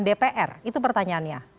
dpr itu pertanyaannya